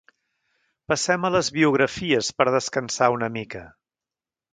Passem a les biografies per descansar una mica.